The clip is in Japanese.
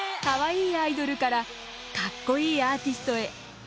カワイイアイドルからかっこいいアーティストへ。